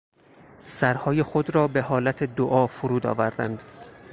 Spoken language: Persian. سرهای خود را بهحالت دعا فرود آوردند.